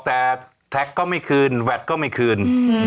แต่แท็กก็ไม่คืนแวดก็ไม่คืน